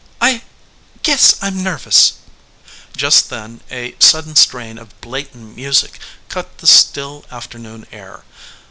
"I guess I m nervous." Just then a sudden strain of blatant music cut the still afternoon air.